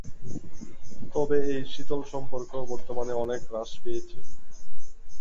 তবে এই শীতল সম্পর্ক বর্তমানে অনেক হ্রাস পেয়েছে।